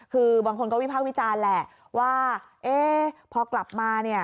คือบางคนก็วิพากษ์วิจารณ์แหละว่าเอ๊ะพอกลับมาเนี่ย